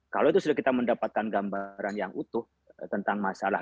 kalau itu sudah kita mendapatkan gambaran yang utuh tentang masalah